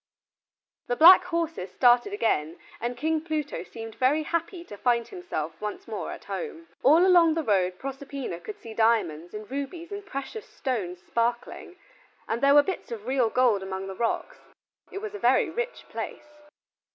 The black horses started again and King Pluto seemed very happy to find himself once more at home. All along the road Proserpina could see diamonds, and rubies and precious stones sparkling, and there were bits of real gold among the rocks. It was a very rich place.